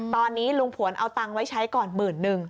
ตอนนี้ลุงผวนเอาตังค์ไว้ใช้ก่อนหมื่นนึง